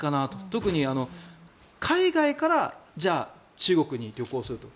特に海外から中国に旅行すると。